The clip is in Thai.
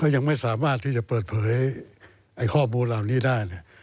ยังไม่สามารถที่จะเปิดเผยข้อมูลเหล่านี้ได้เนี่ย